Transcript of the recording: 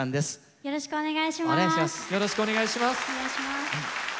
よろしくお願いします。